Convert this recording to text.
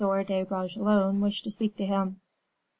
de Bragelonne wished to speak to him.